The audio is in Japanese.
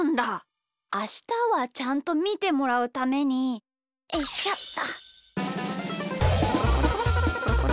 あしたはちゃんとみてもらうためにおいしょっと。